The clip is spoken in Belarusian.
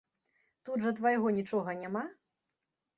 Тут жа твайго нічога няма?